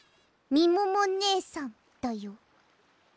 みももねえさん？